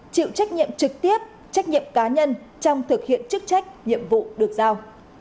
chịu trách nhiệm trực tiếp trách nhiệm cá nhân trong thực hiện chức trách nhiệm vụ được giao